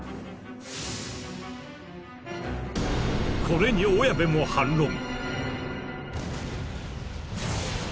これに小谷部も反論。